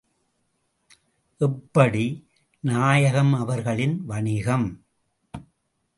எப்படி, நாயகம் அவர்களின் வணிகம்!